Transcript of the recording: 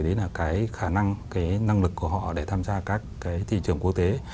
đấy là cái khả năng cái năng lực của họ để tham gia các cái thị trường quốc tế